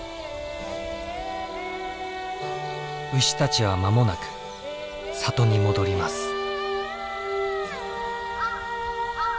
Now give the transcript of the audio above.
牛たちは間もなく里に戻ります。